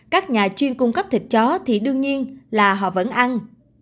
các nhà chuyên cung cấp thịt chó thì đương nhiên là họ vẫn ăn